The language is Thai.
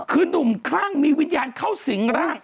คือนุ่มคลั่งมีวิญญาณเข้าสิงร่าง